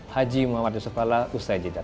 haji muhammad yusuf pahla ustaz jeddah